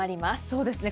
そうですね。